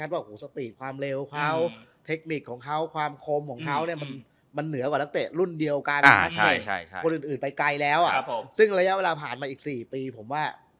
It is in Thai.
ไปไกลแล้วอ่ะครับผมซึ่งระยะเวลาผ่านมาอีกสี่ปีผมว่า